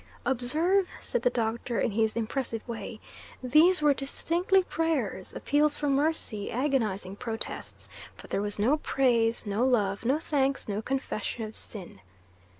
"Observe," said the Doctor in his impressive way, "these were distinctly prayers, appeals for mercy, agonising protests, but there was no praise, no love, no thanks, no confession of sin."